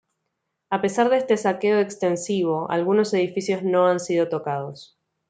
A pesar de este saqueo extensivo, algunos edificios no han sido tocados.